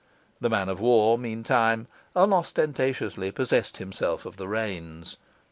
The man of war, meantime, unostentatiously possessed himself of the reins.